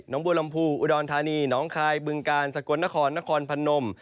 น้องบูลลำพูอุดลฑานีน้องคายบึงกาลสะกนฆรนคลพันนม